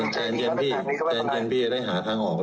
เจนที่ดีจะได้หาทางออก